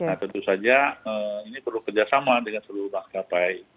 nah tentu saja ini perlu kerjasama dengan seluruh maskapai